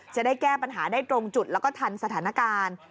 จะได้แก้ปัญหาได้ตรงจุดแล้วก็ทันสถานการณ์